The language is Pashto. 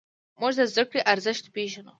موږ د زدهکړې ارزښت پېژنو.